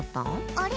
あれ？